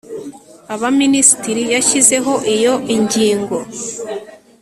abaminisitiri yashyizeho iyo ingingo